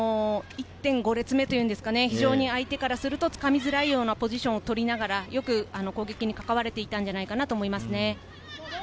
１．５列目というのでしょうか、相手からすると、つかみづらいようなポジションを取りながら、よく攻撃に関われていたのではないかと思います。